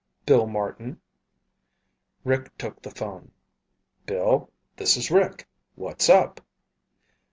"Bill Martin." Rick took the phone. "Bill? This is Rick. What's up?"